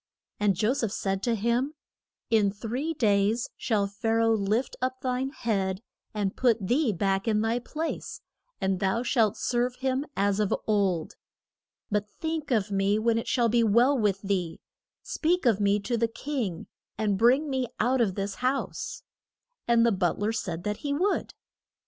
And Jo seph said to him, In three days shall Pha ra oh lift up thine head, and put thee back in thy place, and thou shalt serve him as of old. But think of me when it shall be well with thee; speak of me to the king, and bring me out of this house. And the but ler said that he would.